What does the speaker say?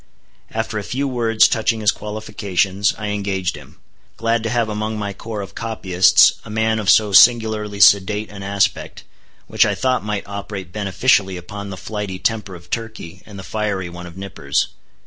After a few words touching his qualifications, I engaged him, glad to have among my corps of copyists a man of so singularly sedate an aspect, which I thought might operate beneficially upon the flighty temper of Turkey, and the fiery one of Nippers.